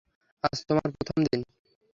আজ তোমার প্রথম দিন।